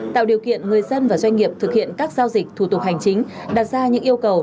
tạo điều kiện người dân và doanh nghiệp thực hiện các giao dịch thủ tục hành chính đặt ra những yêu cầu